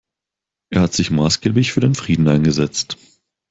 Er hat sich maßgeblich für den Frieden eingesetzt.